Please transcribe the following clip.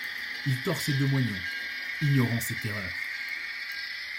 Il tord ses deux moignons, ignorance et terreur ;